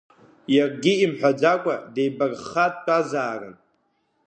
Иаргьы имҳәаӡакәа деибархха дтәазаарын.